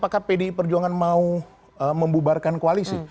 kpi perjuangan mau membubarkan koalisi